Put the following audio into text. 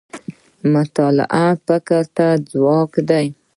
مطالعه فکر ته خوراک دی